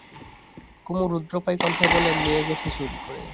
কুমু রুদ্ধপ্রায় কণ্ঠে বললে, নিয়ে গেছে চুরি করে!